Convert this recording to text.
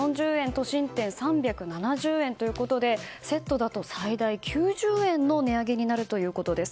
都心店、３７０円ということでセットだと最大９０円の値上げになるということです。